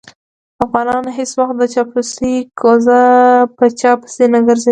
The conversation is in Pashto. افغانان هېڅ وخت د چاپلوسۍ کوزه په چا پسې نه ګرځوي.